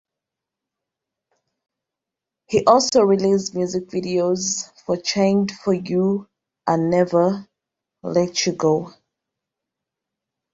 He also released music videos for "Changed For You" and "Never (Let You Go)".